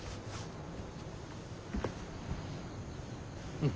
うん。